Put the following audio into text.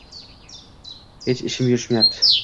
Hech ishim yurishmayapti